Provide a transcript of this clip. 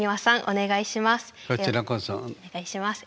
お願いします。